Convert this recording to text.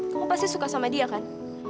kamu pasti suka sama dia kan